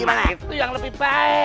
nah itu yang lebih baik